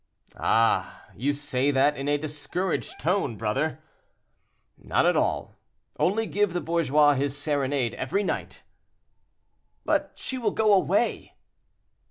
"Ah! you say that in a discouraged tone, brother." "Not at all; only give the bourgeois his serenade every night." "But she will go away."